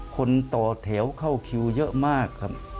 คนต่อแถวเข้าคิวเยอะมากครับ